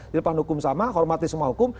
di depan hukum sama hormati semua hukum